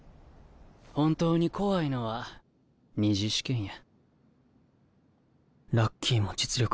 本当に怖いのは２次試験や。